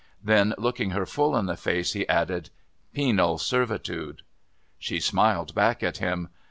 Then, looking her full in the face, he added, "Penal servitude." She smiled back at him.